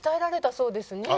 そうですね。